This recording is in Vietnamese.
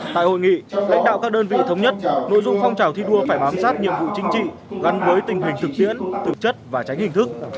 tại hội nghị lãnh đạo các đơn vị thống nhất nội dung phong trào thi đua phải bám sát nhiệm vụ chính trị gắn với tình hình thực tiễn thực chất và tránh hình thức